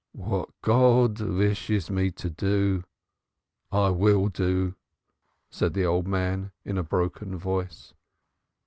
"What God wishes me to do I will do," said the old man in a broken voice.